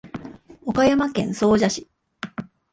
岡山県総社市